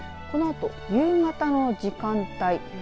このあと夕方の時間帯